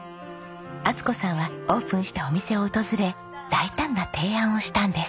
充子さんはオープンしたお店を訪れ大胆な提案をしたんです。